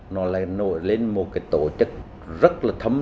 giọt máu lời yêu bến nước trăng thề và cả câu hò điệu lý